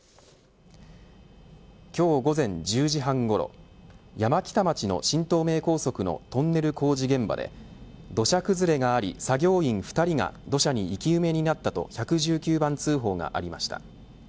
今日午前１０時半ごろ山北町の新東名高速のトンネル工事現場で土砂崩れがあり、作業員２人が土砂に生き埋めになったと１１９番通報がありました。